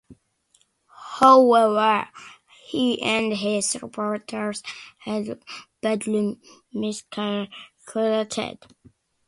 However, he and his supporters had badly miscalculated.